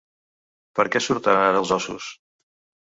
Per què surten ara, els ossos?